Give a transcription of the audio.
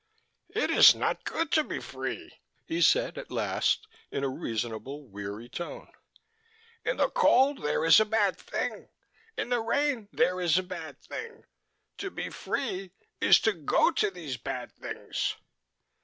"It is not good to be free," he said at last, in a reasonable, weary tone. "In the cold there is a bad thing. In the rain there is a bad thing. To be free is to go to these bad things."